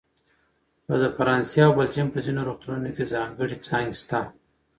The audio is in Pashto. د فرانسه او بلجیم په ځینو روغتونونو کې ځانګړې څانګې شته.